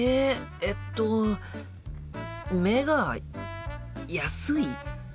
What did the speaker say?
えっと目が安い？